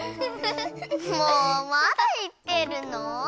もうまだいってるの？